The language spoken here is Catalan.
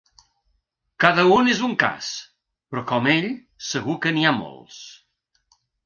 Cada un és un cas, però com ell segur que n’hi ha molts.